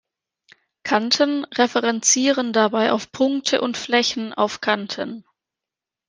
Kanten referenzieren dabei auf Punkte und Flächen auf Kanten.